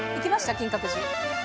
金閣寺。